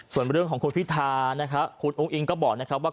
ส่วนเรื่องของคุณฟิธาคุณอุ้งอิงก็บอกว่า